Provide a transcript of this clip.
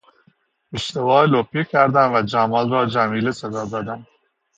اشتباه لپی کردم و جمال را جمیله صدا زدم.